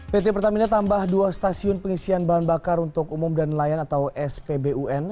pt pertamina tambah dua stasiun pengisian bahan bakar untuk umum dan nelayan atau spbun